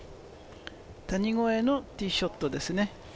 谷越えのティーショットですね。